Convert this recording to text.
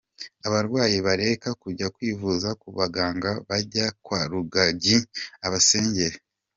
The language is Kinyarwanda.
Abarwayi bareke kujya kwivuza ku baganga bajye kwa Rugagi abasengere?.